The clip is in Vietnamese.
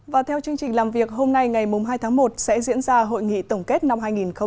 và theo chương trình làm việc hôm nay ngày hai tháng một sẽ diễn ra hội nghị tổng kết năm hai nghìn hai mươi